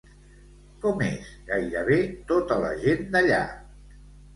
Com és gairebé tota la gent d'allà?